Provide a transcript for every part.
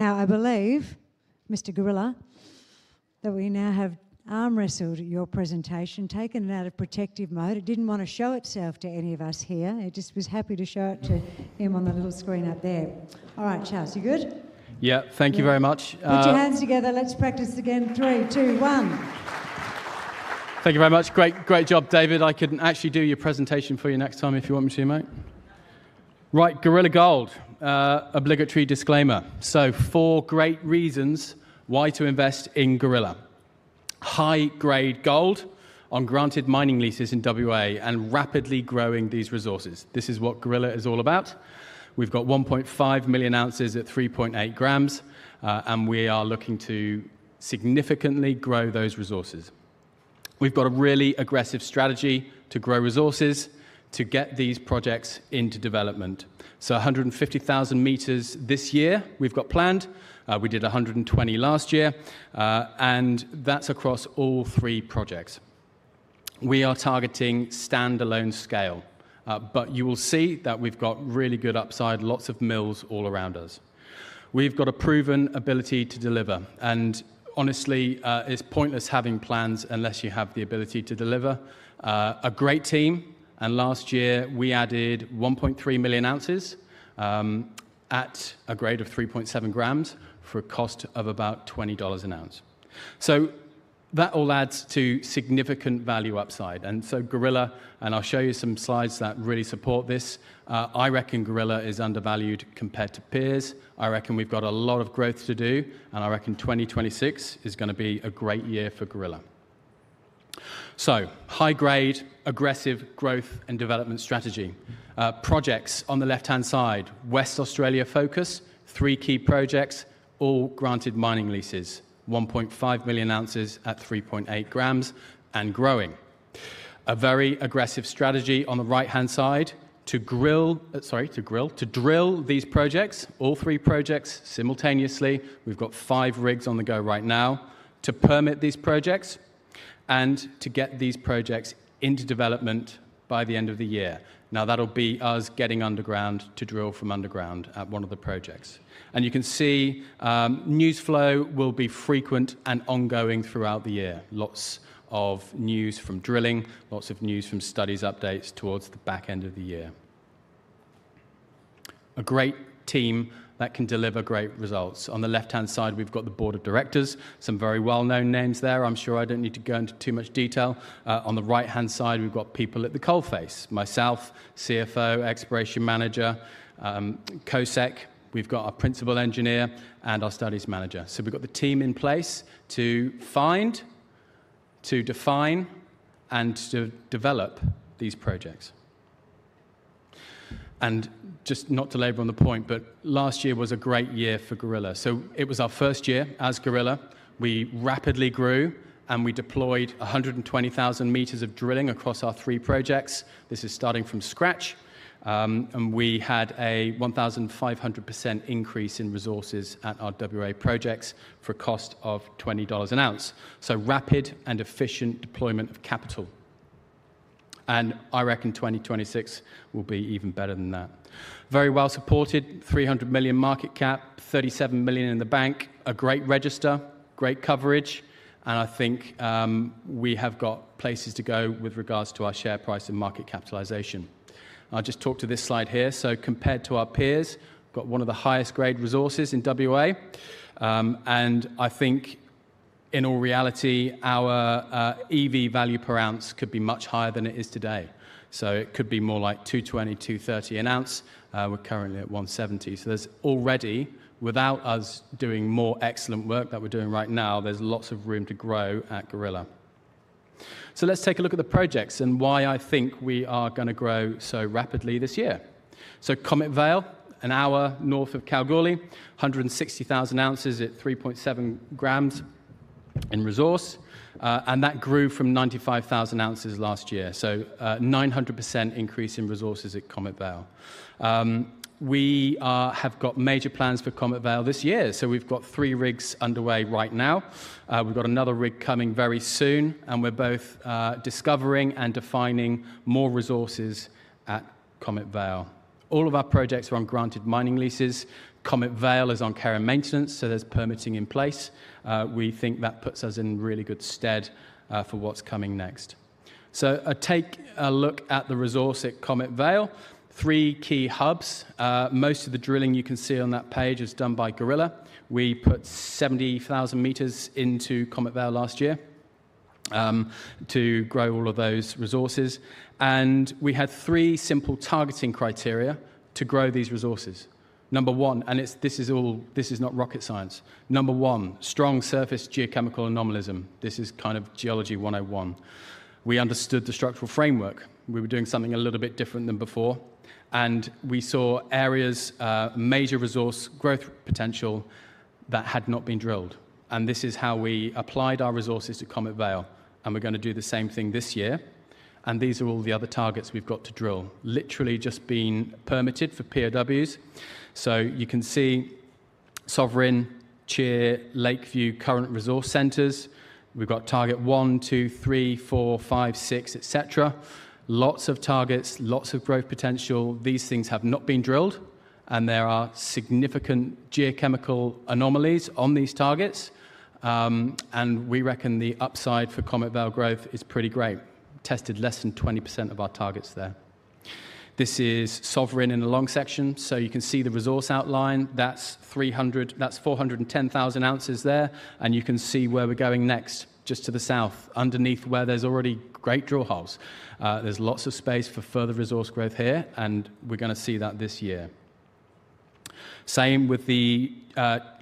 Now, I believe, Mr. Gorilla, that we now have arm wrestled your presentation, taken it out of protective mode. It didn't want to show itself to any of us here. It just was happy to show it to him on the little screen up there. All right, Charles, you good? Yeah, thank you very much. Put your hands together. Let's practice again. Three, two, one. Thank you very much. Great job, David. I could actually do your presentation for you next time if you want me to, mate. Right, Gorilla Gold, obligatory disclaimer. So four great reasons why to invest in Gorilla: high-grade gold on granted mining leases in WA and rapidly growing these resources. This is what Gorilla is all about. We've got 1.5 million ounces at 3.8 g, and we are looking to significantly grow those resources. We've got a really aggressive strategy to grow resources to get these projects into development. So 150,000 m this year, we've got planned. We did 120 last year, and that's across all three projects. We are targeting standalone scale, but you will see that we've got really good upside, lots of mills all around us. We've got a proven ability to deliver, and honestly, it's pointless having plans unless you have the ability to deliver. A great team, and in the last year, we added 1.3 million ounces at a grade of 3.7 g for a cost of about 20 dollars an ounce. So that all adds to significant value upside, and so Gorilla. And I'll show you some slides that really support this. I reckon Gorilla is undervalued compared to peers. I reckon we've got a lot of growth to do, and I reckon 2026 is gonna be a great year for Gorilla. So high grade, aggressive growth and development strategy. Projects on the left-hand side, Western Australia focus, three key projects, all granted mining leases, 1.5 million ounces at 3.8 g and growing. A very aggressive strategy on the right-hand side to drill these projects, all three projects simultaneously. We've got five rigs on the go right now to permit these projects and to get these projects into development by the end of the year. Now, that'll be us getting underground to drill from underground at one of the projects. You can see, news flow will be frequent and ongoing throughout the year. Lots of news from drilling, lots of news from studies, updates towards the back end of the year. A great team that can deliver great results. On the left-hand side, we've got the board of directors, some very well-known names there. I'm sure I don't need to go into too much detail. On the right-hand side, we've got people at the coalface, myself, CFO, exploration manager, COSEC. We've got our principal engineer and our studies manager. So we've got the team in place to find, to define, and to develop these projects. And just not to labor on the point, but last year was a great year for Gorilla. So it was our first year as Gorilla. We rapidly grew, and we deployed 120,000 m of drilling across our three projects. This is starting from scratch, and we had a 1,500% increase in resources at our WA projects for a cost of 20 dollars an ounce. So rapid and efficient deployment of capital, and I reckon 2026 will be even better than that. Very well supported, 300 million market cap, 37 million in the bank, a great register, great coverage, and I think, we have got places to go with regards to our share price and market capitalization. I'll just talk to this slide here. So compared to our peers, got one of the highest grade resources in WA. And I think in all reality, our, EV value per ounce could be much higher than it is today. So it could be more like 220-230 an ounce. We're currently at 170. So there's already, without us doing more excellent work that we're doing right now, there's lots of room to grow at Gorilla. So let's take a look at the projects and why I think we are gonna grow so rapidly this year. So Comet Vale, an hour north of Kalgoorlie, 160,000 ounces at 3.7 g in resource, and that grew from 95,000 ounces last year. So, 900% increase in resources at Comet Vale. We have got major plans for Comet Vale this year. So we've got three rigs underway right now. We've got another rig coming very soon, and we're both discovering and defining more resources at Comet Vale. All of our projects are on granted mining leases. Comet Vale is on care and maintenance, so there's permitting in place. We think that puts us in really good stead for what's coming next. So, take a look at the resource at Comet Vale. Three key hubs. Most of the drilling you can see on that page is done by Gorilla. We put 70,000 m into Comet Vale last year, to grow all of those resources, and we had three simple targeting criteria to grow these resources. Number one, and it's not rocket science. Number one, strong surface geochemical anomalism. This is kind of Geology 101. We understood the structural framework. We were doing something a little bit different than before, and we saw areas, major resource growth potential that had not been drilled. And this is how we applied our resources to Comet Vale, and we're gonna do the same thing this year, and these are all the other targets we've got to drill. Literally just been permitted for POWs. So you can see Sovereign, Cheer, Lakeview, current resource centers. We've got Target one, two, three, four, five, six, et cetera. Lots of targets, lots of growth potential. These things have not been drilled, and there are significant geochemical anomalies on these targets, and we reckon the upside for Comet Vale growth is pretty great. Tested less than 20% of our targets there. This is Sovereign in a long section, so you can see the resource outline. That's 300, that's 410,000 ounces there, and you can see where we're going next, just to the south, underneath where there's already great drill holes. There's lots of space for further resource growth here, and we're gonna see that this year. Same with the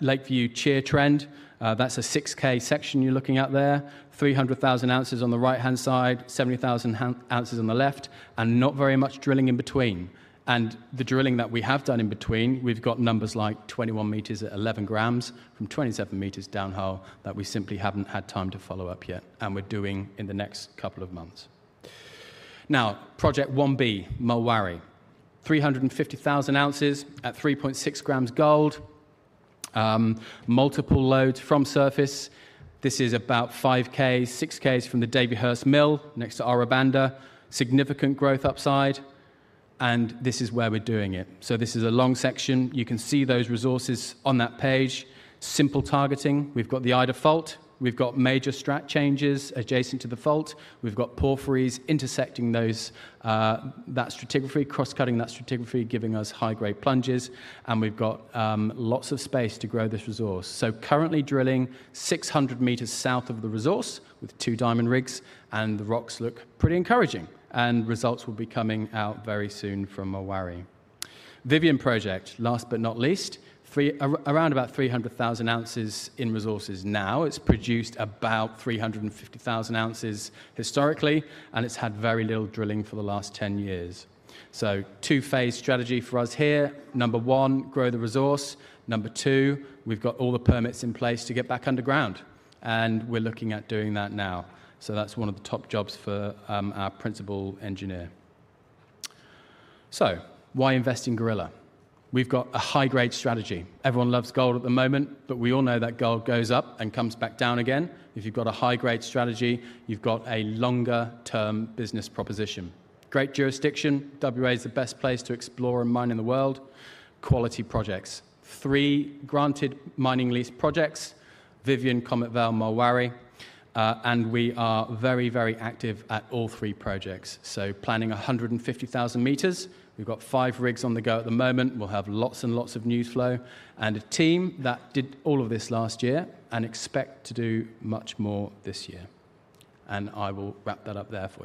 Lakeview Cheer trend. That's a 6K section you're looking at there, 300,000 ounces on the right-hand side, 70,000 ounces on the left, and not very much drilling in between. The drilling that we have done in between, we've got numbers like 21 m at 11 g from 27 m downhole that we simply haven't had time to follow up yet, and we're doing in the next couple of months. Now, Project 1B, Mulwarrie, 350,000 ounces at 3.6 g gold, multiple lodes from surface. This is about 5 km, 6 km from the Davyhurst Mill next to Ora Banda. Significant growth upside, and this is where we're doing it. So this is a long section. You can see those resources on that page. Simple targeting. We've got the Ida Fault. We've got major strat changes adjacent to the fault. We've got porphyries intersecting those, that stratigraphy, cross-cutting that stratigraphy, giving us high-grade plunges, and we've got lots of space to grow this resource. So currently drilling 600 m south of the resource with two diamond rigs, and the rocks look pretty encouraging, and results will be coming out very soon from Mulwarrie. Vivien Project, last but not least, around about 300,000 ounces in resources now. It's produced about 350,000 ounces historically, and it's had very little drilling for the last 10 years. So two-phase strategy for us here. Number one, grow the resource. Number two, we've got all the permits in place to get back underground, and we're looking at doing that now. So that's one of the top jobs for our principal engineer. So why invest in Gorilla? We've got a high-grade strategy. Everyone loves gold at the moment, but we all know that gold goes up and comes back down again. If you've got a high-grade strategy, you've got a longer-term business proposition. Great jurisdiction. WA is the best place to explore and mine in the world. Quality projects. Three granted mining lease projects, Vivien, Comet Vale, Mulwarrie, and we are very, very active at all three projects, so planning 150,000 m. We've got five rigs on the go at the moment. We'll have lots and lots of news flow, and a team that did all of this last year and expect to do much more this year. And I will wrap that up there for you.